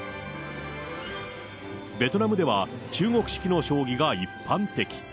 ベトナムでは中国式の将棋が一般的。